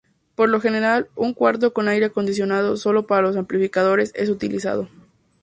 Por lo general, un cuarto con aire acondicionado solo para los amplificadores es utilizado.